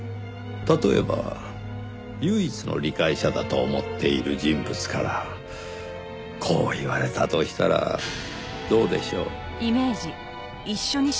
例えば唯一の理解者だと思っている人物からこう言われたとしたらどうでしょう？